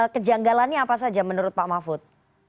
kejanggalannya apa saja menurut pak mahfud